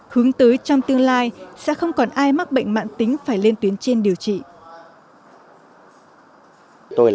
hướng tới trong tương lai sẽ không còn ai mắc bệnh mạng tính phải lên tuyến trên điều trị